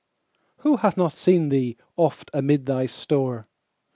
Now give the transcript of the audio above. Who hath not seen thee oft amid thy store?